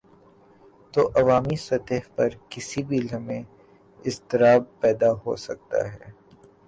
تو عوامی سطح پر کسی لمحے اضطراب پیدا ہو سکتا ہے۔